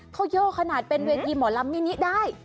เขาโยกขนาดเป็นเวทีหมอลำมินิได้